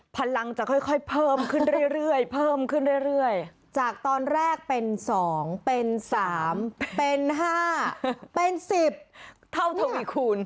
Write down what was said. พลังจะค่อยเพิ่มขึ้นเรื่อยเพิ่มขึ้นเรื่อยจากตอนแรกเป็น๒เป็น๓เป็น๕เป็น๑๐เท่าทวีคูณ